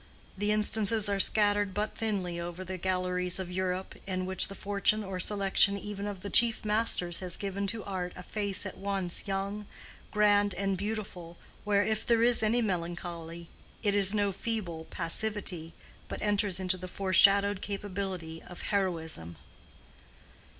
The instances are scattered but thinly over the galleries of Europe, in which the fortune or selection even of the chief masters has given to art a face at once young, grand, and beautiful, where, if there is any melancholy, it is no feeble passivity, but enters into the foreshadowed capability of heroism.